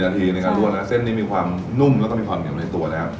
นาทีในการรวดนะเส้นนี้มีความนุ่มแล้วก็มีความเหนียวในตัวแล้ว